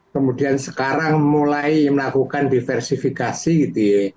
kemudian sekarang mulai melakukan diversifikasi gitu ya